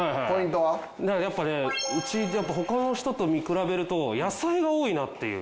やっぱねうちってやっぱ他の人と見比べると野菜が多いなっていう。